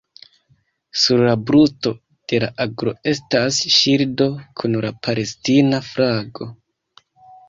Sur la brusto de la aglo estas ŝildo kun la palestina flago.